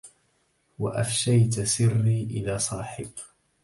وأفشيت سري إلى صاحب